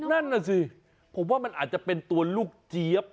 นั่นน่ะสิผมว่ามันอาจจะเป็นตัวลูกเจี๊ยบ